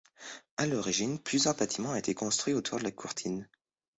À l'origine, plusieurs bâtiments étaient construits autour de la courtine.